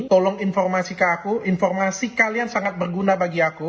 tolong informasi ke aku informasi kalian sangat berguna bagi aku